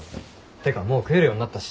てかもう食えるようになったし。